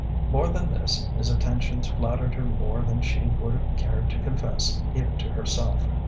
More than this, his attentions flattered her more than she would have cared to confess even to herself.